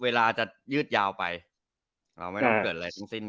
เวลาจะยืดยาวไปเราไม่ต้องเกิดอะไรทั้งสิ้น